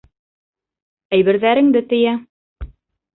Әйберҙәреңде тейә.